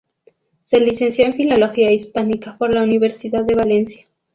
Se licenció en Filología Hispánica por la Universidad de Valencia.